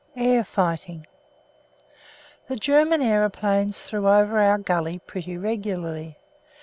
] AIR FIGHTING The German aeroplanes flew over our gully pretty regularly.